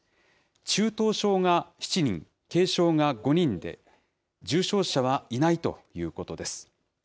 中等症が７人、軽症が５人で、重症者はいないということです。